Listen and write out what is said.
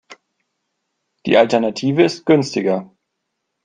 Die Alternative ist günstiger.